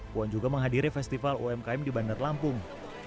puan juga menghadiri festival umkm di bandar lampung